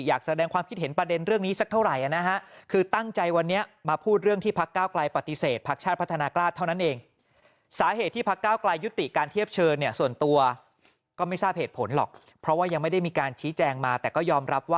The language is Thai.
อยากแสดงความคิดเห็นประเด็นเรื่องนี้สักเท่าไหร่นะฮะ